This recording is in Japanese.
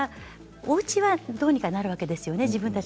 おうちはどうにかなるわけですよね。